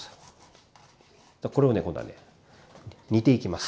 これをね今度はね煮ていきます。